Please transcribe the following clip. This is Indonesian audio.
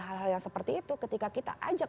hal hal yang seperti itu ketika kita ajak